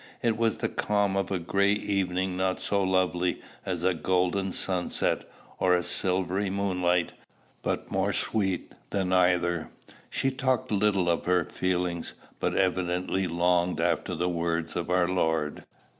It was the calm of a gray evening, not so lovely as a golden sunset or a silvery moonlight, but more sweet than either. She talked little of her feelings, but evidently longed after the words of our Lord.